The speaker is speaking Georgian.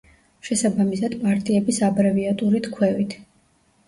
შესაბამისად პარტიების აბრევიატურით ქვევით.